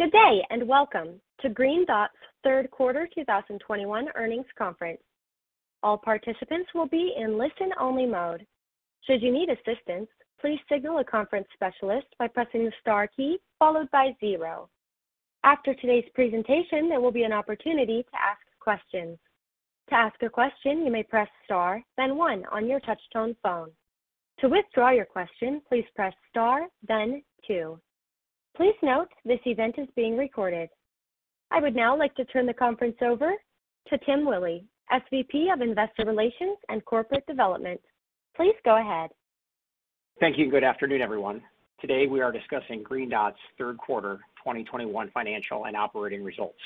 Good day, and welcome to Green Dot's third quarter 2021 earnings conference. All participants will be in listen-only mode. Should you need assistance, please signal a conference specialist by pressing the star key followed by zero. After today's presentation, there will be an opportunity to ask questions. To ask a question, you may press star, then one on your touchtone phone. To withdraw your question, please press star, then two. Please note this event is being recorded. I would now like to turn the conference over to Tim Willi, SVP of Investor Relations and Corporate Development. Please go ahead. Thank you. Good afternoon, everyone. Today we are discussing Green Dot's third quarter 2021 financial and operating results.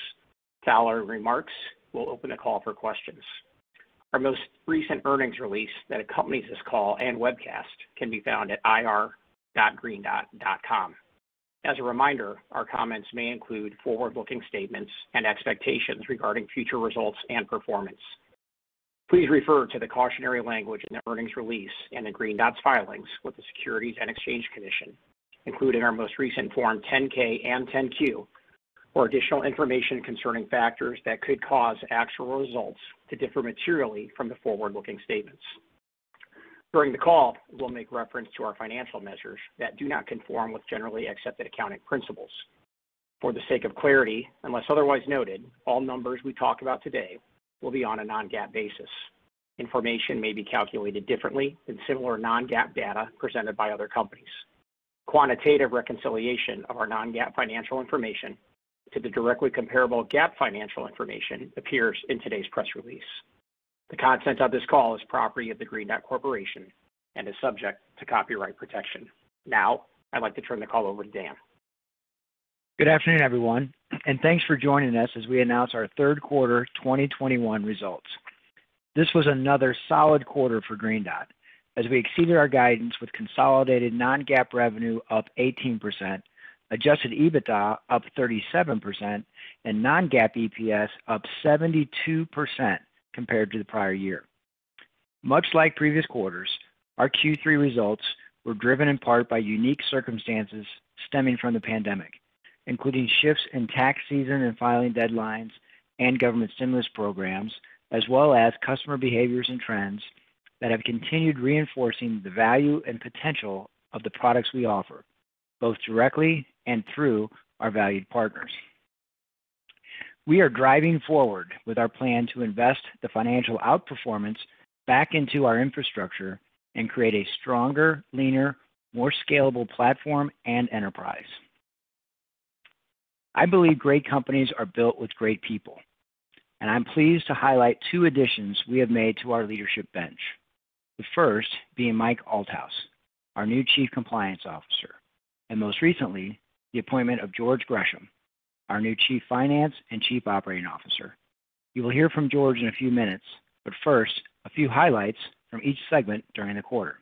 Following remarks, we'll open the call for questions. Our most recent earnings release that accompanies this call and webcast can be found at ir.greendot.com. As a reminder, our comments may include forward-looking statements and expectations regarding future results and performance. Please refer to the cautionary language in the earnings release and in Green Dot's filings with the Securities and Exchange Commission, including our most recent form 10-K and 10-Q, for additional information concerning factors that could cause actual results to differ materially from the forward-looking statements. During the call, we'll make reference to our financial measures that do not conform with generally accepted accounting principles. For the sake of clarity, unless otherwise noted, all numbers we talk about today will be on a non-GAAP basis. Information may be calculated differently than similar non-GAAP data presented by other companies. Quantitative reconciliation of our non-GAAP financial information to the directly comparable GAAP financial information appears in today's press release. The content of this call is property of the Green Dot Corporation and is subject to copyright protection. Now I'd like to turn the call over to Dan. Good afternoon, everyone, and thanks for joining us as we announce our third quarter 2021 results. This was another solid quarter for Green Dot as we exceeded our guidance with consolidated non-GAAP revenue up 18%, adjusted EBITDA up 37%, and non-GAAP EPS up 72% compared to the prior year. Much like previous quarters, our Q3 results were driven in part by unique circumstances stemming from the pandemic, including shifts in tax season and filing deadlines and government stimulus programs, as well as customer behaviors and trends that have continued reinforcing the value and potential of the products we offer, both directly and through our valued partners. We are driving forward with our plan to invest the financial outperformance back into our infrastructure and create a stronger, leaner, more scalable platform and enterprise. I believe great companies are built with great people, and I'm pleased to highlight two additions we have made to our leadership bench. The first being Mike Althouse, our new Chief Compliance Officer, and most recently the appointment of George Gresham, our new Chief Financial Officer and Chief Operating Officer. You will hear from George in a few minutes, but first, a few highlights from each segment during the quarter.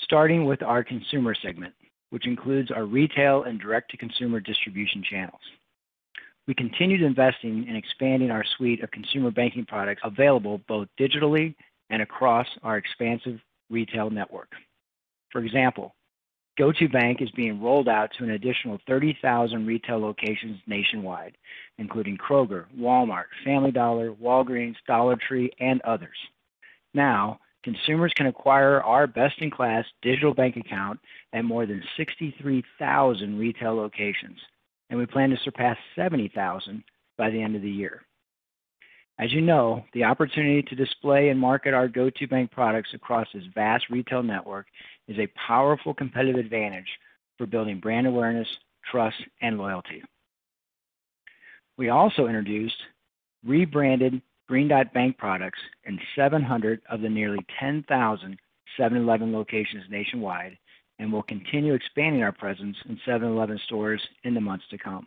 Starting with our Consumer segment, which includes our retail and direct-to-consumer distribution channels. We continued investing in expanding our suite of consumer banking products available both digitally and across our expansive retail network. For example, GO2bank is being rolled out to an additional 30,000 retail locations nationwide, including Kroger, Walmart, Family Dollar, Walgreens, Dollar Tree, and others. Now, consumers can acquire our best-in-class digital bank account at more than 63,000 retail locations, and we plan to surpass 70,000 by the end of the year. As you know, the opportunity to display and market our GO2bank products across this vast retail network is a powerful competitive advantage for building brand awareness, trust, and loyalty. We also introduced rebranded Green Dot Bank products in 700 of the nearly 10,000 7-Eleven locations nationwide and will continue expanding our presence in 7-Eleven stores in the months to come.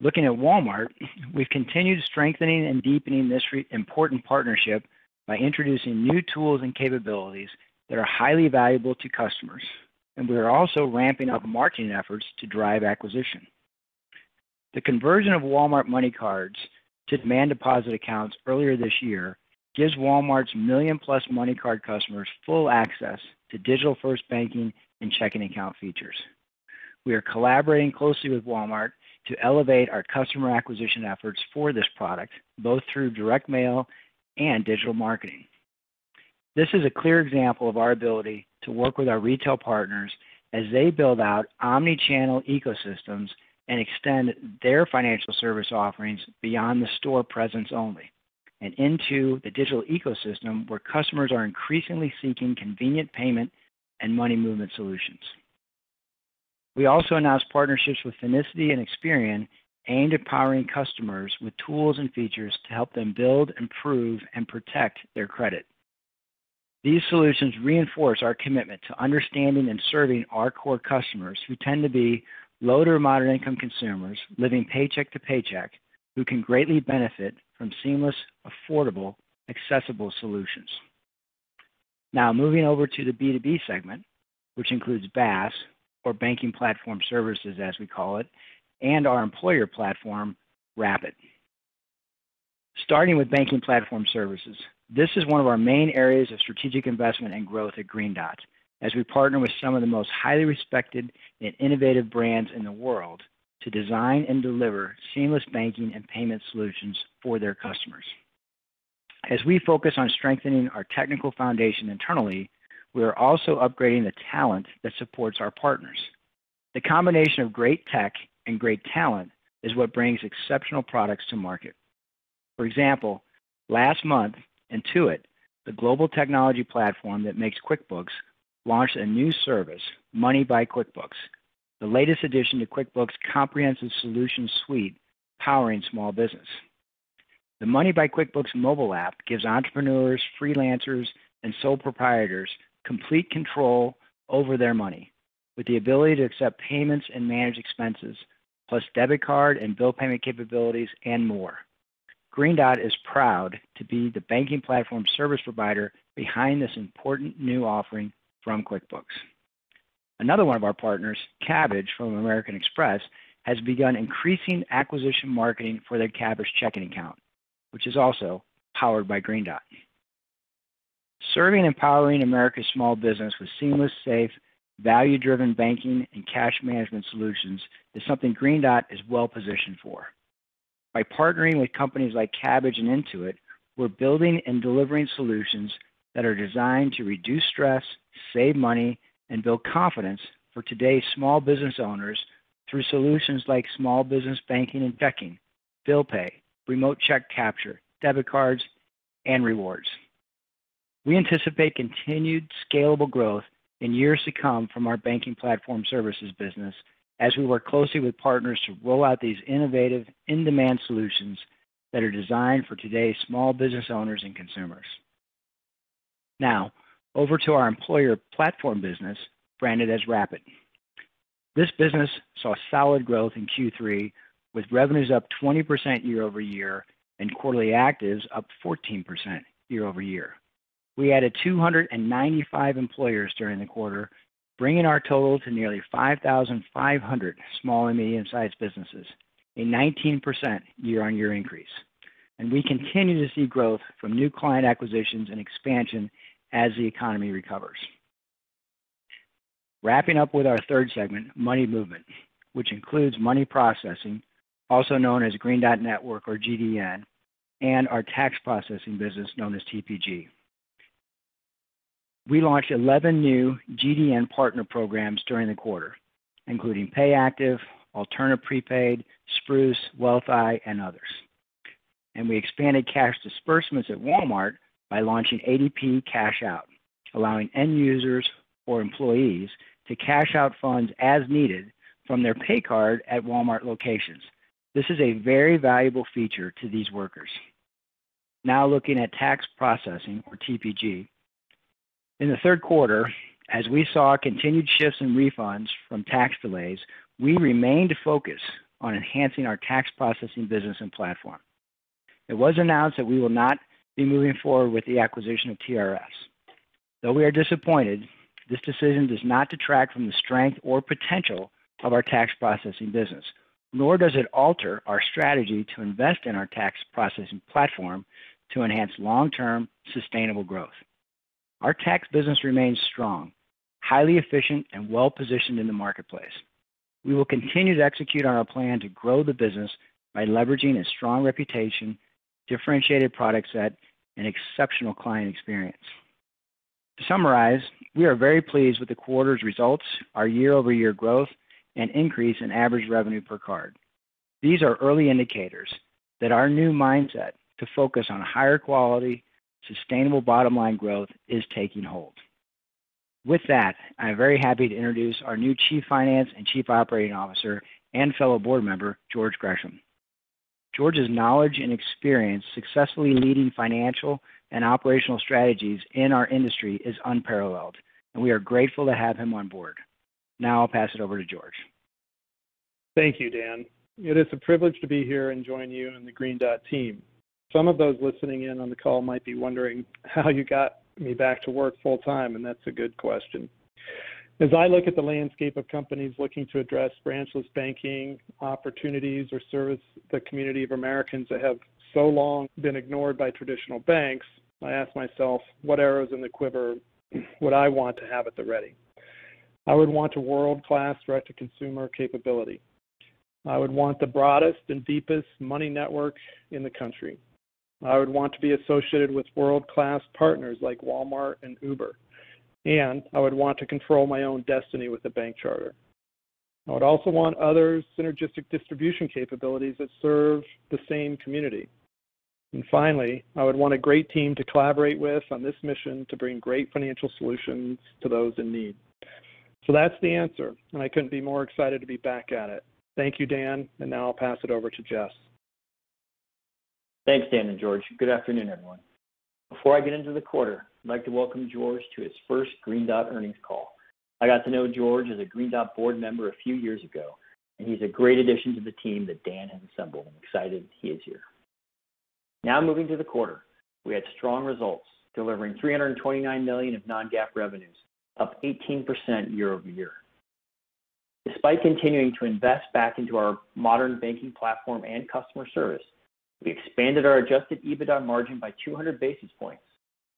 Looking at Walmart, we've continued strengthening and deepening this important partnership by introducing new tools and capabilities that are highly valuable to customers, and we are also ramping up marketing efforts to drive acquisition. The conversion of Walmart MoneyCards to demand deposit accounts earlier this year gives Walmart's million-plus MoneyCard customers full access to digital-first banking and checking account features. We are collaborating closely with Walmart to elevate our customer acquisition efforts for this product, both through direct mail and digital marketing. This is a clear example of our ability to work with our retail partners as they build out omni-channel ecosystems and extend their financial service offerings beyond the store presence only and into the digital ecosystem where customers are increasingly seeking convenient payment and money movement solutions. We also announced partnerships with Finicity and Experian aimed at powering customers with tools and features to help them build, improve, and protect their credit. These solutions reinforce our commitment to understanding and serving our core customers who tend to be low to moderate income consumers living paycheck to paycheck who can greatly benefit from seamless, affordable, accessible solutions. Now moving over to the B2B segment, which includes BaaS, or banking platform services as we call it, and our employer platform, rapid!. Starting with banking platform services. This is one of our main areas of strategic investment and growth at Green Dot as we partner with some of the most highly respected and innovative brands in the world to design and deliver seamless banking and payment solutions for their customers. As we focus on strengthening our technical foundation internally, we are also upgrading the talent that supports our partners. The combination of great tech and great talent is what brings exceptional products to market. For example, last month, Intuit, the global technology platform that makes QuickBooks, launched a new service, Money by QuickBooks, the latest addition to QuickBooks' comprehensive solution suite powering small business. The Money by QuickBooks mobile app gives entrepreneurs, freelancers, and sole proprietors complete control over their money with the ability to accept payments and manage expenses, plus debit card and bill payment capabilities and more. Green Dot is proud to be the banking platform service provider behind this important new offering from QuickBooks. Another one of our partners, Kabbage from American Express, has begun increasing acquisition marketing for their Kabbage checking account, which is also powered by Green Dot. Serving and powering America's small business with seamless, safe, value-driven banking and cash management solutions is something Green Dot is well-positioned for. By partnering with companies like Kabbage and Intuit, we're building and delivering solutions that are designed to reduce stress, save money, and build confidence for today's small business owners through solutions like small business banking and checking, bill pay, remote check capture, debit cards, and rewards. We anticipate continued scalable growth in years to come from our banking platform services business as we work closely with partners to roll out these innovative in-demand solutions that are designed for today's small business owners and consumers. Now, over to our employer platform business branded as Rapid. This business saw solid growth in Q3 with revenues up 20% year-over-year and quarterly actives up 14% year-over-year. We added 295 employers during the quarter, bringing our total to nearly 5,500 small and medium-sized businesses, a 19% year-over-year increase. We continue to see growth from new client acquisitions and expansion as the economy recovers. Wrapping up with our third segment, money movement, which includes money processing, also known as Green Dot Network or GDN, and our tax processing business known as TPG. We launched 11 new GDN partner programs during the quarter, including Payactiv, Alternative Prepaid, Spruce, Wealthi, and others. We expanded cash disbursements at Walmart by launching ADP Cash Out, allowing end users or employees to cash out funds as needed from their pay card at Walmart locations. This is a very valuable feature to these workers. Now looking at tax processing or TPG. In the third quarter, as we saw continued shifts in refunds from tax delays, we remained focused on enhancing our tax processing business and platform. It was announced that we will not be moving forward with the acquisition of TRS. Though we are disappointed, this decision does not detract from the strength or potential of our tax processing business, nor does it alter our strategy to invest in our tax processing platform to enhance long-term sustainable growth. Our tax business remains strong, highly efficient, and well-positioned in the marketplace. We will continue to execute on our plan to grow the business by leveraging its strong reputation, differentiated product set, and exceptional client experience. To summarize, we are very pleased with the quarter's results, our year-over-year growth, and increase in average revenue per card. These are early indicators that our new mindset to focus on higher quality, sustainable bottom line growth is taking hold. With that, I'm very happy to introduce our new Chief Financial Officer and Chief Operating Officer and fellow board member, George Gresham. George's knowledge and experience successfully leading financial and operational strategies in our industry is unparalleled, and we are grateful to have him on board. Now I'll pass it over to George. Thank you, Dan. It is a privilege to be here and join you and the Green Dot team. Some of those listening in on the call might be wondering how you got me back to work full time, and that's a good question. As I look at the landscape of companies looking to address branchless banking opportunities or service the community of Americans that have so long been ignored by traditional banks, I ask myself, "What arrows in the quiver would I want to have at the ready?" I would want a world-class breadth of consumer capability. I would want the broadest and deepest money network in the country. I would want to be associated with world-class partners like Walmart and Uber, and I would want to control my own destiny with the bank charter. I would also want other synergistic distribution capabilities that serve the same community. Finally, I would want a great team to collaborate with on this mission to bring great financial solutions to those in need. That's the answer, and I couldn't be more excited to be back at it. Thank you, Dan, and now I'll pass it over to Jess. Thanks, Dan and George. Good afternoon, everyone. Before I get into the quarter, I'd like to welcome George to his first Green Dot earnings call. I got to know George as a Green Dot board member a few years ago, and he's a great addition to the team that Dan has assembled. I'm excited he is here. Now moving to the quarter. We had strong results, delivering $329 million of non-GAAP revenues, up 18% year-over-year. Despite continuing to invest back into our modern banking platform and customer service, we expanded our adjusted EBITDA margin by 200 basis points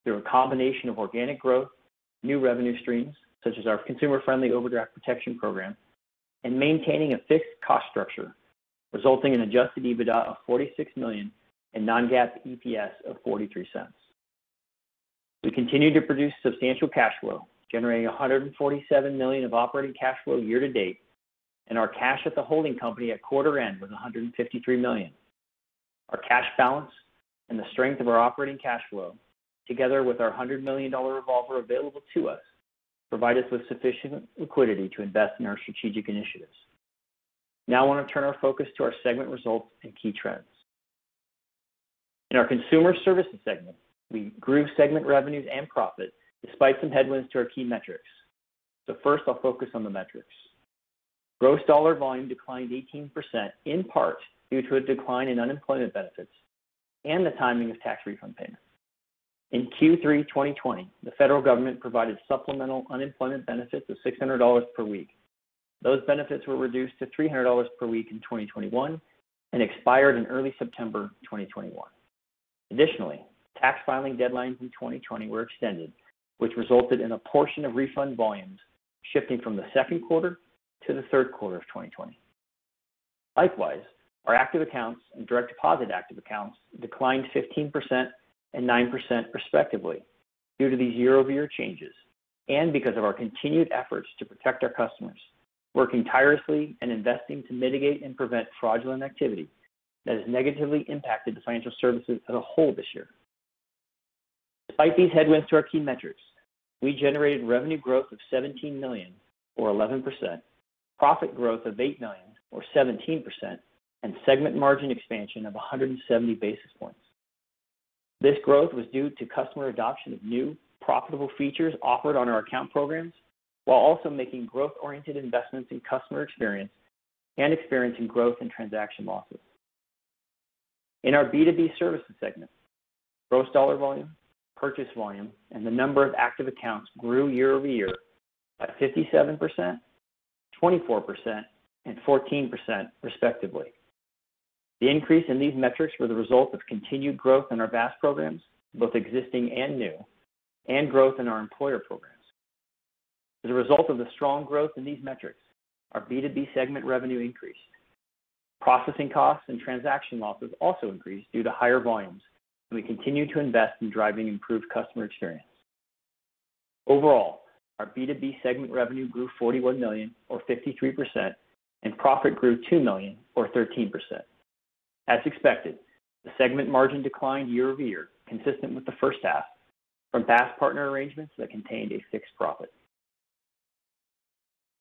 through a combination of organic growth, new revenue streams, such as our consumer-friendly overdraft protection program, and maintaining a fixed cost structure, resulting in adjusted EBITDA of $46 million and non-GAAP EPS of $0.43. We continued to produce substantial cash flow, generating $147 million of operating cash flow year to date, and our cash at the holding company at quarter end was $153 million. Our cash balance and the strength of our operating cash flow, together with our $100 million revolver available to us, provide us with sufficient liquidity to invest in our strategic initiatives. Now I want to turn our focus to our segment results and key trends. In our Consumer Services segment, we grew segment revenues and profit despite some headwinds to our key metrics. First I'll focus on the metrics. Gross dollar volume declined 18%, in part due to a decline in unemployment benefits and the timing of tax refund payments. In Q3 2020, the federal government provided supplemental unemployment benefits of $600 per week. Those benefits were reduced to $300 per week in 2021 and expired in early September 2021. Additionally, tax filing deadlines in 2020 were extended, which resulted in a portion of refund volumes shifting from the second quarter to the third quarter of 2020. Likewise, our active accounts and direct deposit active accounts declined 15% and 9% respectively due to these year-over-year changes and because of our continued efforts to protect our customers, working tirelessly and investing to mitigate and prevent fraudulent activity that has negatively impacted the financial services as a whole this year. Despite these headwinds to our key metrics, we generated revenue growth of $17 million or 11%, profit growth of $8 million or 17%, and segment margin expansion of 170 basis points. This growth was due to customer adoption of new profitable features offered on our account programs while also making growth-oriented investments in customer experience and experiencing growth in transaction losses. In our B2B services segment, gross dollar volume, purchase volume, and the number of active accounts grew year over year by 57%, 24%, and 14% respectively. The increase in these metrics were the result of continued growth in our VAS programs, both existing and new, and growth in our employer programs. As a result of the strong growth in these metrics, our B2B segment revenue increased. Processing costs and transaction losses also increased due to higher volumes, and we continue to invest in driving improved customer experience. Overall, our B2B segment revenue grew $41 million or 53%, and profit grew $2 million or 13%. As expected, the segment margin declined year-over-year, consistent with the first half, from past partner arrangements that contained a fixed profit.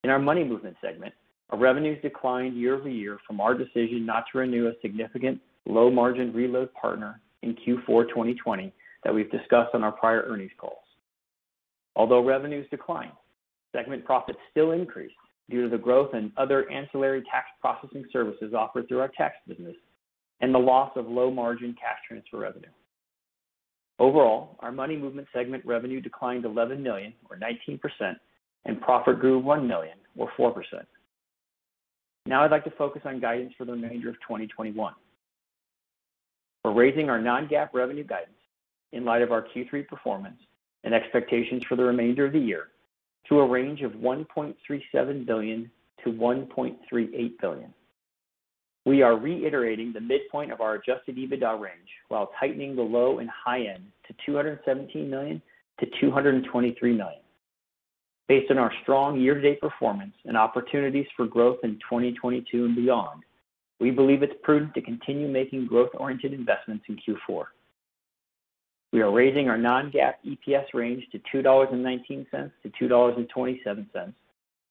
In our money movement segment, our revenues declined year-over-year from our decision not to renew a significant low margin reload partner in Q4 2020 that we've discussed on our prior earnings calls. Although revenues declined, segment profits still increased due to the growth in other ancillary tax processing services offered through our tax business and the loss of low margin cash transfer revenue. Overall, our money movement segment revenue declined $11 million or 19%, and profit grew $1 million or 4%. Now I'd like to focus on guidance for the remainder of 2021. We're raising our non-GAAP revenue guidance in light of our Q3 performance and expectations for the remainder of the year to a range of $1.37 billion-$1.38 billion. We are reiterating the midpoint of our adjusted EBITDA range while tightening the low and high end to $217 million-$223 million. Based on our strong year-to-date performance and opportunities for growth in 2022 and beyond, we believe it's prudent to continue making growth-oriented investments in Q4. We are raising our non-GAAP EPS range to $2.19-$2.27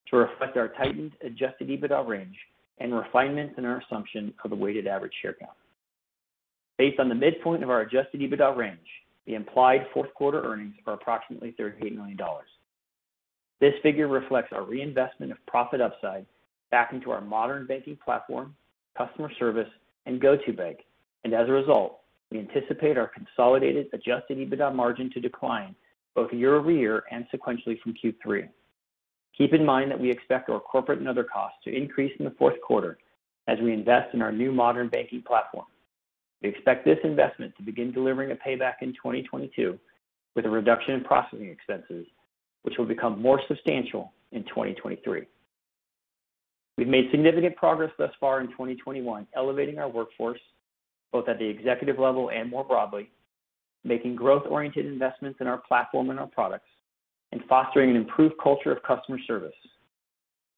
to reflect our tightened adjusted EBITDA range and refinements in our assumption for the weighted average share count. Based on the midpoint of our adjusted EBITDA range, the implied fourth quarter earnings are approximately $38 million. This figure reflects our reinvestment of profit upside back into our modern banking platform, customer service, and GO2bank, and as a result, we anticipate our consolidated adjusted EBITDA margin to decline both year-over-year and sequentially from Q3. Keep in mind that we expect our corporate and other costs to increase in the fourth quarter as we invest in our new modern banking platform. We expect this investment to begin delivering a payback in 2022 with a reduction in processing expenses, which will become more substantial in 2023. We've made significant progress thus far in 2021, elevating our workforce, both at the executive level and more broadly, making growth-oriented investments in our platform and our products, and fostering an improved culture of customer service.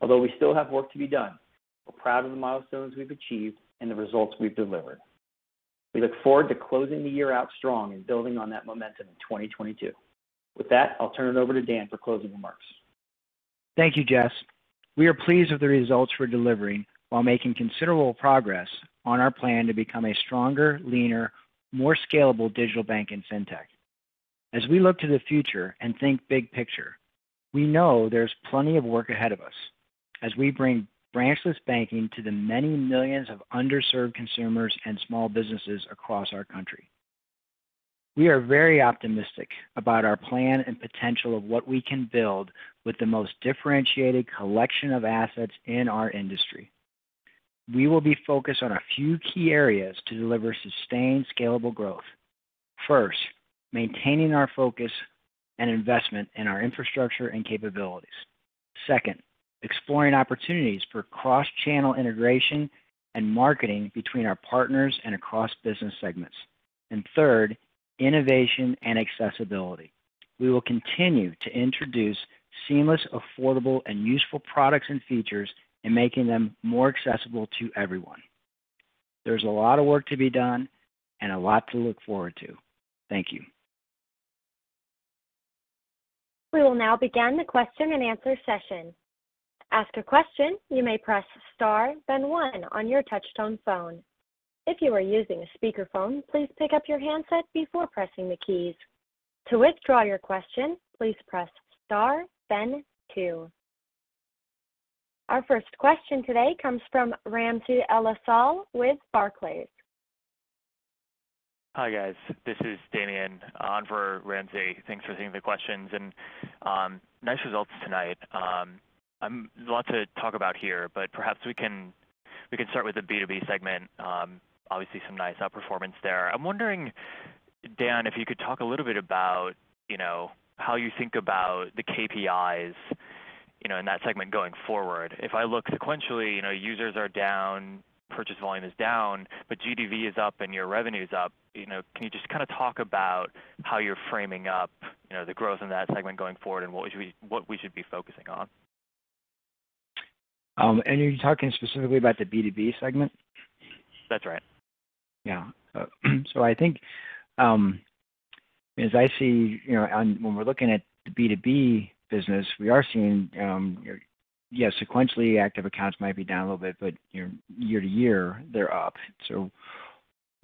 Although we still have work to be done, we're proud of the milestones we've achieved and the results we've delivered. We look forward to closing the year out strong and building on that momentum in 2022. With that, I'll turn it over to Dan for closing remarks. Thank you, Jess. We are pleased with the results we're delivering while making considerable progress on our plan to become a stronger, leaner, more scalable digital bank in fintech. As we look to the future and think big picture, we know there's plenty of work ahead of us as we bring branchless banking to the many millions of underserved consumers and small businesses across our country. We are very optimistic about our plan and potential of what we can build with the most differentiated collection of assets in our industry. We will be focused on a few key areas to deliver sustained scalable growth. First, maintaining our focus and investment in our infrastructure and capabilities. Second, exploring opportunities for cross-channel integration and marketing between our partners and across business segments. Third, innovation and accessibility. We will continue to introduce seamless, affordable, and useful products and features and making them more accessible to everyone. There's a lot of work to be done and a lot to look forward to. Thank you. We will now begin the question and answer session. To ask a question, you may press star then one on your touch-tone phone. If you are using a speakerphone, please pick up your handset before pressing the keys. To withdraw your question, please press star then two. Our first question today comes from Ramsey El-Assal with Barclays. Hi, guys. This is Damian on for Ramsey El-Assal. Thanks for taking the questions. Nice results tonight. Lot to talk about here, but perhaps we can start with the B2B segment. Obviously some nice outperformance there. I'm wondering, Dan, if you could talk a little bit about, you know, how you think about the KPIs, you know, in that segment going forward. If I look sequentially, you know, users are down, purchase volume is down, but GDV is up and your revenue's up. You know, can you just kinda talk about how you're framing up, you know, the growth in that segment going forward and what we should be focusing on? You're talking specifically about the B2B segment? That's right. Yeah, I think as I see, you know, and when we're looking at the B2B business, we are seeing sequentially active accounts might be down a little bit, but year to year they're up.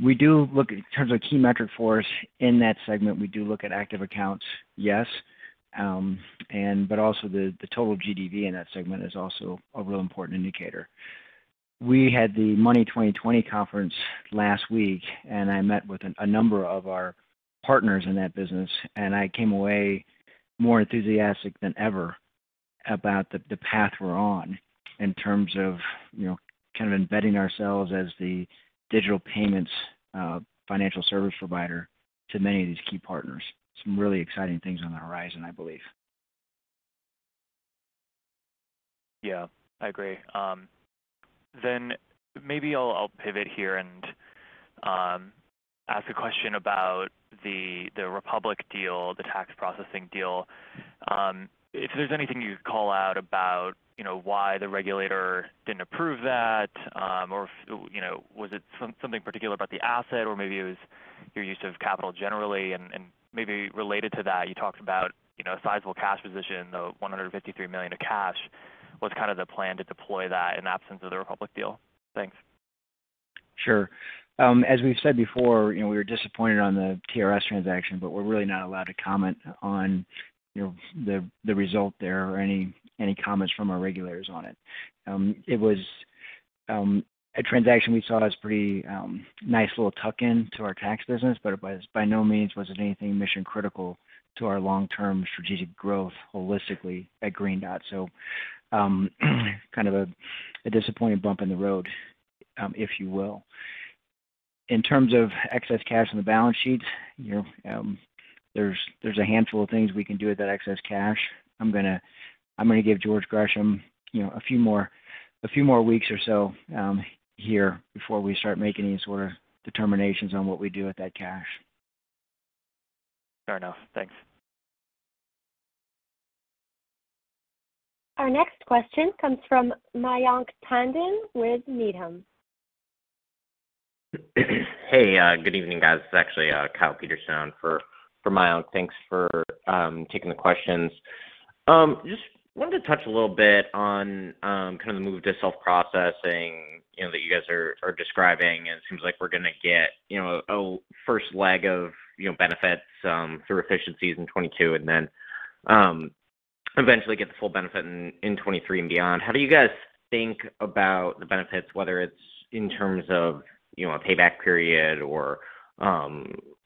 We do look in terms of key metric for us in that segment, we do look at active accounts, yes. But also the total GDV in that segment is also a real important indicator. We had the Money20/20 conference last week, and I met with a number of our partners in that business, and I came away more enthusiastic than ever about the path we're on in terms of, you know, kind of embedding ourselves as the digital payments financial service provider to many of these key partners. Some really exciting things on the horizon, I believe. Yeah. I agree. Then maybe I'll pivot here and ask a question about the Republic deal, the tax processing deal. If there's anything you'd call out about, you know, why the regulator didn't approve that, or if, you know, was it something particular about the asset or maybe it was your use of capital generally. Maybe related to that, you talked about a sizable cash position, the $153 million of cash. What's the plan to deploy that in absence of the Republic deal? Thanks. Sure. As we've said before, you know, we were disappointed on the TRS transaction, but we're really not allowed to comment on, you know, the result there or any comments from our regulators on it. It was a transaction we saw as pretty nice little tuck in to our tax business, but by no means was it anything mission-critical to our long-term strategic growth holistically at Green Dot. Kind of a disappointing bump in the road, if you will. In terms of excess cash on the balance sheets, you know, there's a handful of things we can do with that excess cash. I'm gonna give George Gresham, you know, a few more weeks or so here before we start making any sort of determinations on what we do with that cash. Fair enough. Thanks. Our next question comes from Mayank Tandon with Needham. Hey, good evening, guys. This is actually Kyle Peterson for Mayank. Thanks for taking the questions. Just wanted to touch a little bit on kind of the move to self-processing, you know, that you guys are describing, and it seems like we're gonna get, you know, a first leg of, you know, benefits through efficiencies in 2022 and then eventually get the full benefit in 2023 and beyond. How do you guys think about the benefits, whether it's in terms of, you know, a payback period or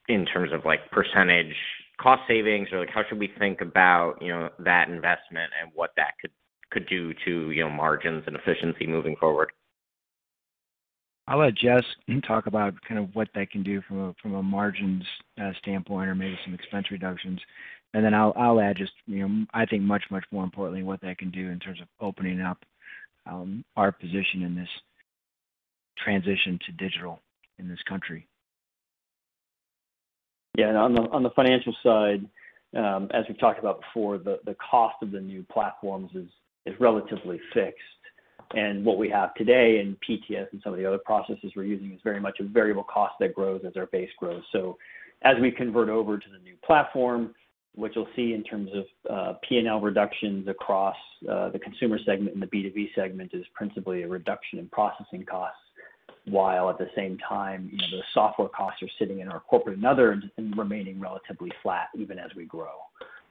in terms of like percentage cost savings or like how should we think about, you know, that investment and what that could do to, you know, margins and efficiency moving forward? I'll let Jess talk about kind of what that can do from a margins standpoint or maybe some expense reductions. I'll add just, you know, I think much, much more importantly what that can do in terms of opening up our position in this transition to digital in this country. Yeah. On the financial side, as we've talked about before, the cost of the new platforms is relatively fixed. What we have today in TSYS and some of the other processes we're using is very much a variable cost that grows as our base grows. As we convert over to the new platform, what you'll see in terms of P&L reductions across the consumer segment and the B2B segment is principally a reduction in processing costs, while at the same time, you know, the software costs are sitting in our corporate and other and remaining relatively flat even as we grow.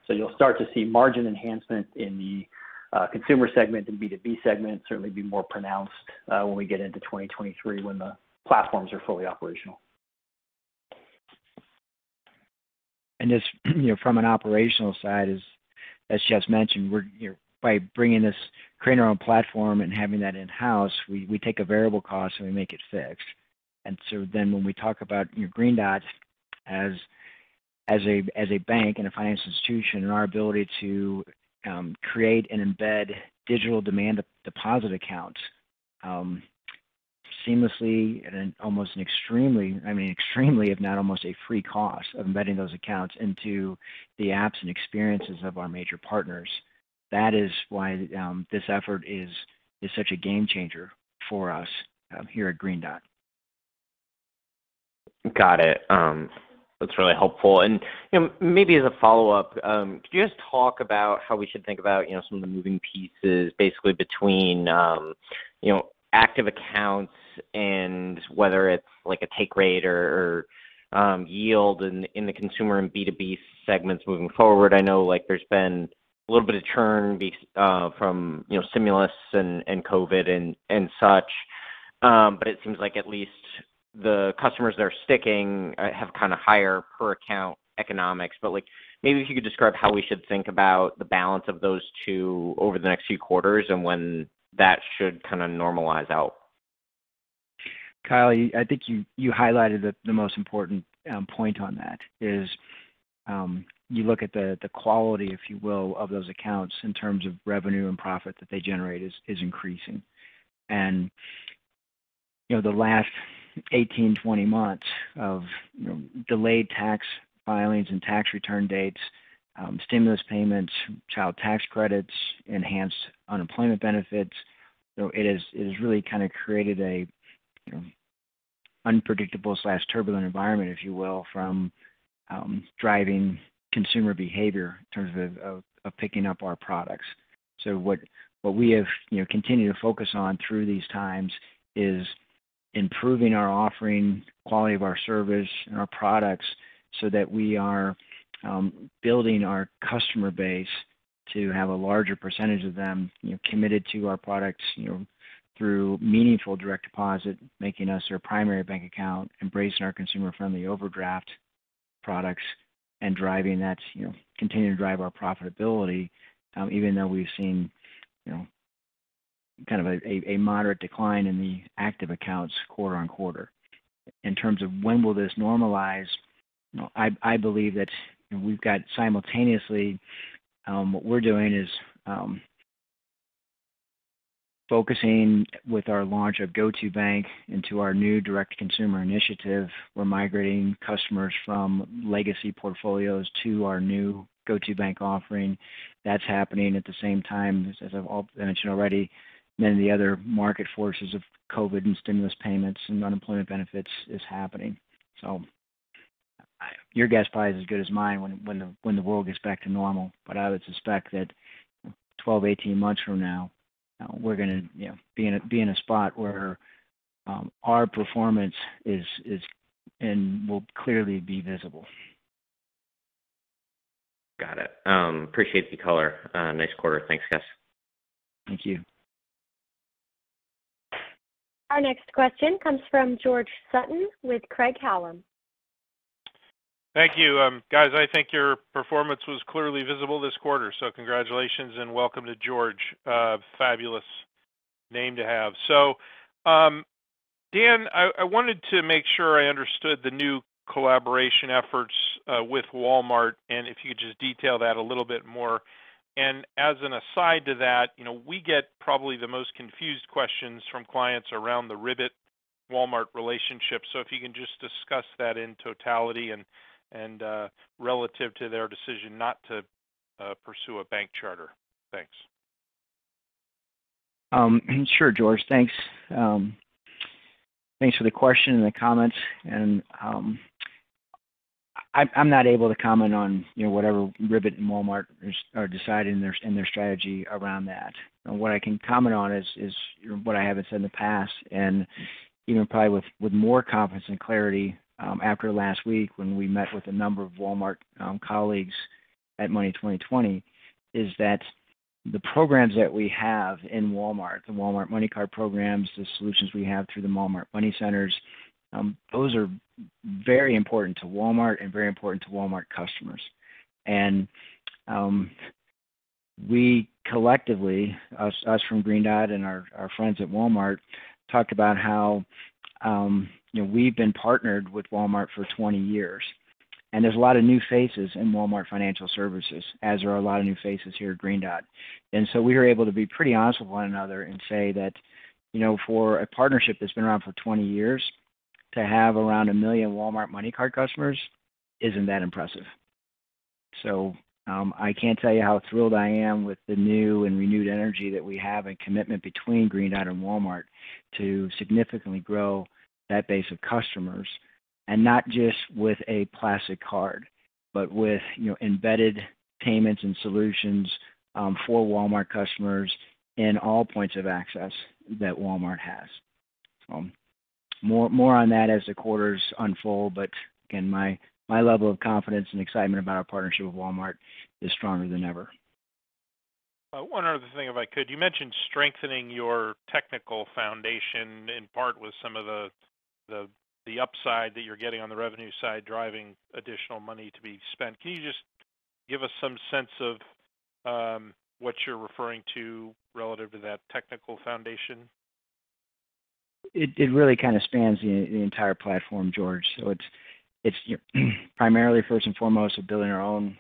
You'll start to see margin enhancement in the consumer segment and B2B segment certainly be more pronounced when we get into 2023 when the platforms are fully operational. Just, you know, from an operational side, as Jess mentioned, we're, you know, creating our own platform and having that in-house, we take a variable cost and we make it fixed. When we talk about, you know, Green Dot as a bank and a financial institution and our ability to create and embed digital demand deposit accounts seamlessly and then at an extremely, I mean, extremely, if not almost free cost of embedding those accounts into the apps and experiences of our major partners, that is why this effort is such a game changer for us here at Green Dot. Got it. That's really helpful. You know, maybe as a follow-up, could you just talk about how we should think about, you know, some of the moving pieces basically between active accounts and whether it's like a take rate or yield in the consumer and B2B segments moving forward. I know, like, there's been a little bit of churn from, you know, stimulus and COVID and such. It seems like at least the customers that are sticking have kind of higher per account economics. Like, maybe if you could describe how we should think about the balance of those two over the next few quarters and when that should kind of normalize out. Kyle, I think you highlighted the most important point on that is you look at the quality, if you will, of those accounts in terms of revenue and profit that they generate is increasing. You know, the last 18-20 months of delayed tax filings and tax return dates, stimulus payments, child tax credits, enhanced unemployment benefits. It has really kind of created a, you know, unpredictable, turbulent environment, if you will, from driving consumer behavior in terms of picking up our products. What we have continued to focus on through these times is improving our offering, quality of our service and our products so that we are building our customer base to have a larger percentage of them, you know, committed to our products, you know, through meaningful direct deposit, making us their primary bank account, embracing our consumer-friendly overdraft products and driving that, you know, continuing to drive our profitability even though we've seen, you know, kind of a moderate decline in the active accounts quarter-over-quarter. In terms of when will this normalize, you know, I believe that, you know, we've got simultaneously what we're doing is focusing with our launch of GO2bank into our new direct-to-consumer initiative. We're migrating customers from legacy portfolios to our new GO2bank offering. That's happening at the same time as I've already mentioned, many of the other market forces of COVID and stimulus payments and unemployment benefits is happening. Your guess probably is as good as mine when the world gets back to normal. I would suspect that 12-18 months from now, we're gonna, you know, be in a spot where our performance is and will clearly be visible. Got it. Appreciate the color. Nice quarter. Thanks, guys. Thank you. Our next question comes from George Sutton with Craig-Hallum. Thank you. Guys, I think your performance was clearly visible this quarter, so congratulations and welcome to George. Fabulous name to have. Dan, I wanted to make sure I understood the new collaboration efforts with Walmart and if you could just detail that a little bit more. As an aside to that, you know, we get probably the most confused questions from clients around the Ribbit-Walmart relationship. If you can just discuss that in totality and relative to their decision not to pursue a bank charter. Thanks. Sure, George. Thanks. Thanks for the question and the comments and, I'm not able to comment on, you know, whatever Ribbit and Walmart are deciding in their strategy around that. What I can comment on is what I haven't said in the past, and even probably with more confidence and clarity, after last week when we met with a number of Walmart colleagues at Money20/20, is that the programs that we have in Walmart, the Walmart MoneyCard programs, the solutions we have through the Walmart Money Centers, those are very important to Walmart and very important to Walmart customers. We collectively, us from Green Dot and our friends at Walmart, talked about how, you know, we've been partnered with Walmart for 20 years, and there's a lot of new faces in Walmart Financial Services, as there are a lot of new faces here at Green Dot. We were able to be pretty honest with one another and say that, you know, for a partnership that's been around for 20 years, to have around 1 million Walmart MoneyCard customers isn't that impressive. I can't tell you how thrilled I am with the new and renewed energy that we have and commitment between Green Dot and Walmart to significantly grow that base of customers, and not just with a plastic card, but with, you know, embedded payments and solutions, for Walmart customers in all points of access that Walmart has. More on that as the quarters unfold. Again, my level of confidence and excitement about our partnership with Walmart is stronger than ever. One other thing if I could. You mentioned strengthening your technical foundation in part with some of the upside that you're getting on the revenue side, driving additional money to be spent. Can you just give us some sense of what you're referring to relative to that technical foundation? It really kind of spans the entire platform, George. It's primarily first and foremost building our own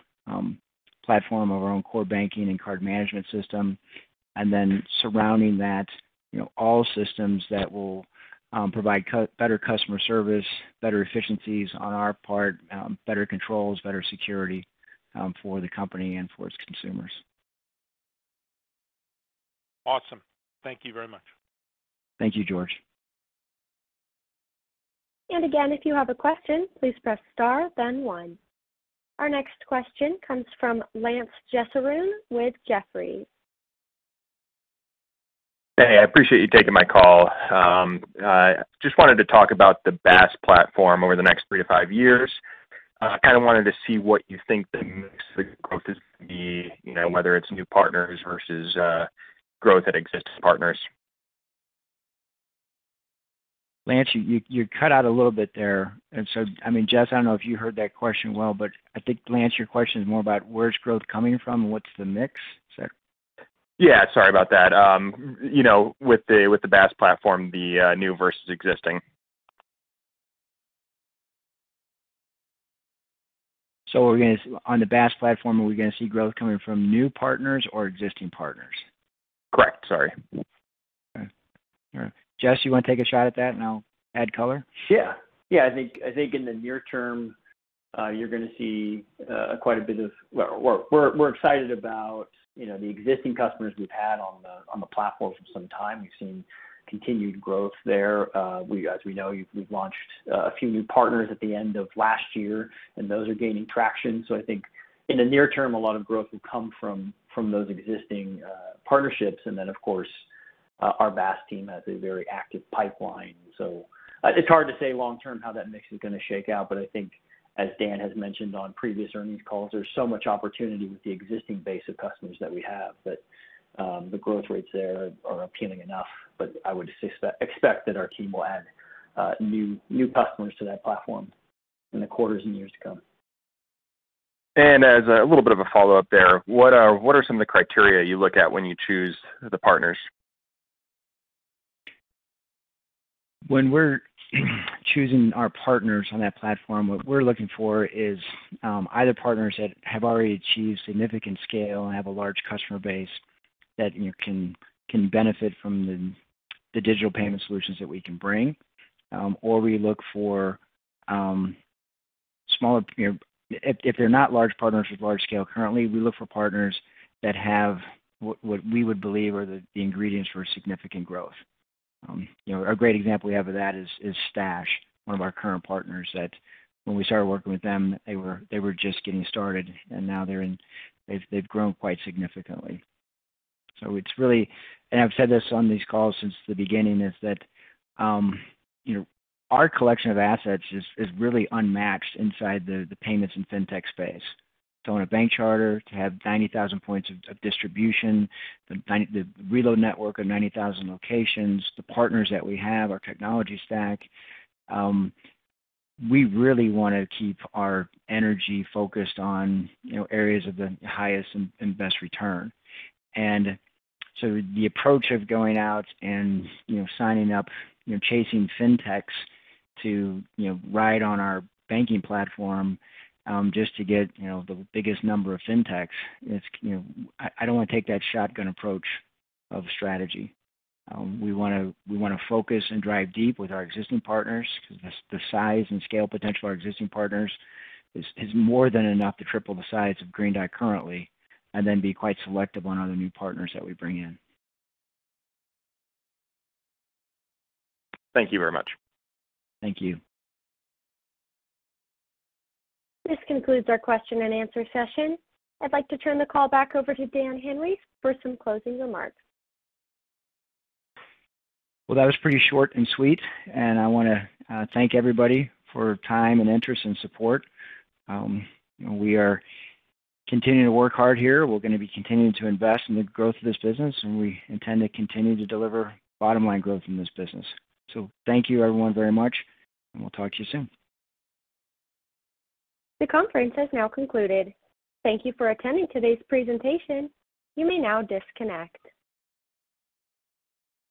platform of our own core banking and card management system. Then surrounding that, you know, all systems that will provide better customer service, better efficiencies on our part, better controls, better security, for the company and for its consumers. Awesome. Thank you very much. Thank you, George. Again, if you have a question, please press star then one. Our next question comes from Lance Jessurun with Jefferies. Hey, I appreciate you taking my call. Just wanted to talk about the BaaS platform over the next 3-5 years. Kind of wanted to see what you think the mix of growth is to be, you know, whether it's new partners versus growth at existing partners. Lance, you cut out a little bit there. I mean, Jess, I don't know if you heard that question well, but I think Lance your question is more about where's growth coming from, what's the mix? Is that- Yeah, sorry about that. You know, with the BaaS platform, the new versus existing. On the BaaS platform, are we gonna see growth coming from new partners or existing partners? Correct. Sorry. Okay. All right. Jess, you want to take a shot at that, and I'll add color? Sure. Yeah. I think in the near term. We're excited about, you know, the existing customers we've had on the platform for some time. We've seen continued growth there. As we know, we've launched a few new partners at the end of last year, and those are gaining traction. I think in the near term, a lot of growth will come from those existing partnerships. Of course, our BaaS team has a very active pipeline. It's hard to say long term how that mix is going to shake out. I think as Dan has mentioned on previous earnings calls, there's so much opportunity with the existing base of customers that we have. The growth rates there are appealing enough. I would expect that our team will add new customers to that platform in the quarters and years to come. As a little bit of a follow-up there, what are some of the criteria you look at when you choose the partners? When we're choosing our partners on that platform, what we're looking for is either partners that have already achieved significant scale and have a large customer base that, you know, can benefit from the digital payment solutions that we can bring. Or we look for you know, if they're not large partners with large scale currently, we look for partners that have what we would believe are the ingredients for significant growth. You know, a great example we have of that is Stash, one of our current partners, that when we started working with them, they were just getting started and now they've grown quite significantly. It's really, and I've said this on these calls since the beginning, that our collection of assets is really unmatched inside the payments and fintech space. To own a bank charter, to have 90,000 points of distribution, the reload network of 90,000 locations, the partners that we have, our technology stack, we really want to keep our energy focused on areas of the highest and best return. The approach of going out and signing up, chasing fintechs to ride on our banking platform, just to get the biggest number of fintechs, I don't want to take that shotgun approach of strategy. We wanna focus and drive deep with our existing partners because the size and scale potential of our existing partners is more than enough to triple the size of Green Dot currently and then be quite selective on other new partners that we bring in. Thank you very much. Thank you. This concludes our question and answer session. I'd like to turn the call back over to Dan Henry for some closing remarks. Well, that was pretty short and sweet, and I wanna thank everybody for time and interest and support. We are continuing to work hard here. We're gonna be continuing to invest in the growth of this business, and we intend to continue to deliver bottom line growth in this business. Thank you everyone very much, and we'll talk to you soon. The conference has now concluded. Thank you for attending today's presentation. You may now disconnect.